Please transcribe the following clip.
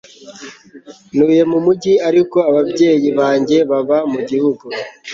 Ntuye mu mujyi ariko ababyeyi banjye baba mu gihugu